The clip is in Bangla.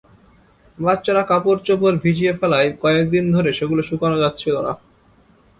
বাচ্চারা কাপড়চোপড় ভিজিয়ে ফেলায় কয়েক দিন ধরে সেগুলো শুকানো যাচ্ছিল না।